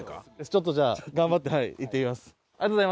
ちょっとじゃあ頑張って行ってみます。